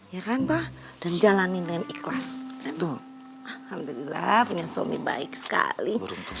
ya kan pak dan jalanin dengan ikhlas itu alhamdulillah punya suami baik sekali beruntung